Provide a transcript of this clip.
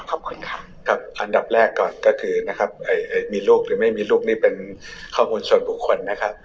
ขอบคุณค่ะครับอันดับแรกก่อนก็คือนะครับมีลูกหรือไม่มีลูกนี่เป็นข้อมูลส่วนบุคคลนะครับ